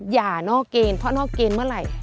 อย่านอกเกณฑ์เพราะนอกเกณฑ์เมื่อไหร่